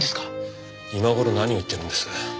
今頃何を言ってるんです？